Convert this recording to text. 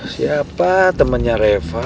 siapa temennya reva